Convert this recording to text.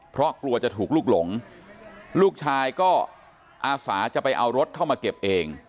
เพราะกลัวจะถูกลูกหลงลูกชายก็อาสาจะไปเอารถเข้ามาเก็บเอง